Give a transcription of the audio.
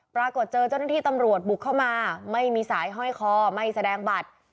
ปรากฏเจอเจ้าหน้าที่ตำรวจบุกเข้ามาไม่มีสายห้อยคอไม่แสดงบัตร